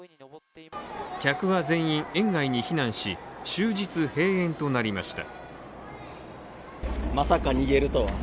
客は全員園外に避難し終日閉園となりました。